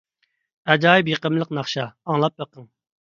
ئاجايىپ يېقىملىق ناخشا، ئاڭلاپ بېقىڭ!